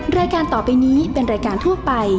แม่บ้านประจันบรรย์